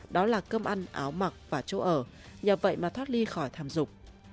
đó là cơm ăn áo mặc và chỗ ở nhờ vậy mà thoát ly khỏi thảm dục